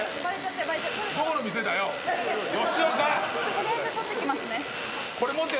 取りあえず取ってきますね。